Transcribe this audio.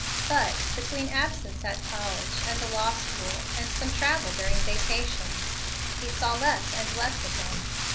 But, between absence at college and the law school and some travel during vacations, he saw less and less of them.